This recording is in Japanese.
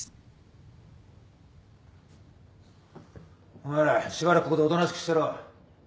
お前らしばらくここでおとなしくしてろ。